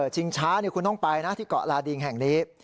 ชิงช้าคุณต้องไปนะที่เกาะลาดิงแห่งนี้